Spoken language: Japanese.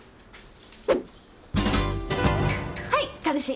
はい彼氏。